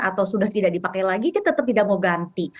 atau sudah tidak dipakai lagi kita tetap tidak mau ganti